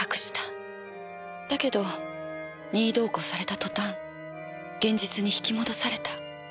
だけど任意同行された途端現実に引き戻された。